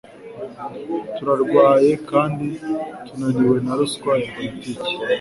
Turarwaye kandi tunaniwe na ruswa ya politiki